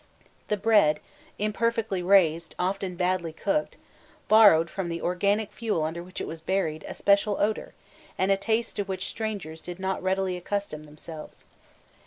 The bread, imperfectly raised, often badly cooked, borrowed, from the organic fuel under which it was buried, a special odour, and a taste to which strangers did not readily accustom themselves.